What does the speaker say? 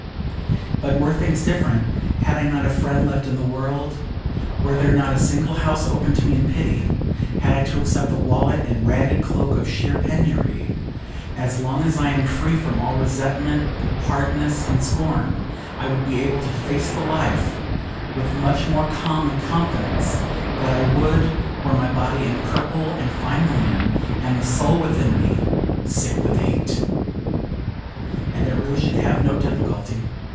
But were things different: had I not a friend left in the world; were there not a single house open to me in pity; had I to accept the wallet and ragged cloak of sheer penury: as long as I am free from all resentment, hardness and scorn, I would be able to face the life with much more calm and confidence than I would were my body in purple and fine linen, and the soul within me sick with hate. And I really shall have no difficulty.